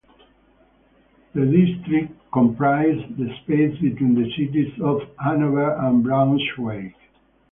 The district comprises the space between the cities of Hanover and Braunschweig.